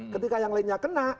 ketika yang lainnya kena